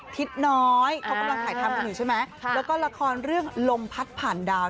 ทิศน้อยเขากำลังถ่ายทำกันอยู่ใช่ไหมแล้วก็ละครเรื่องลมพัดผ่านดาว